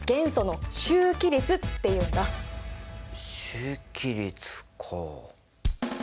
周期律か。